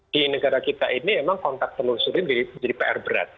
di negara kita ini memang kontak telusurin menjadi pr berat